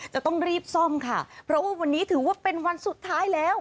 จะต้องรีบซ่อมค่ะเพราะว่าวันนี้ถือว่าเป็นวันสุดท้ายแล้ว